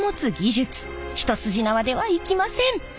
一筋縄ではいきません！